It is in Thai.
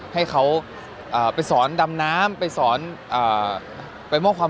ให้เขาไปสอนดำน้ำไปมองนู้นของเขา